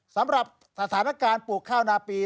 สำหรับสถานการณ์ปลูกข้าวนาปี